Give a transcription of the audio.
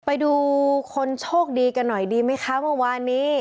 ไปดูคนโชคดีกันหน่อยดีไหมคะเมื่อวานนี้